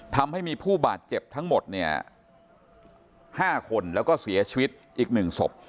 ทำให้มีผู้บาดเจ็บทั้งหมดเนี่ย๕คนแล้วก็เสียชีวิตอีก๑ศพ